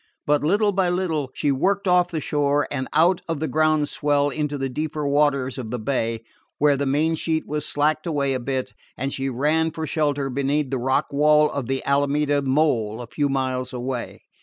But little by little she worked off the shore and out of the ground swell into the deeper waters of the bay, where the main sheet was slacked away a bit, and she ran for shelter behind the rock wall of the Alameda Mole a few miles away.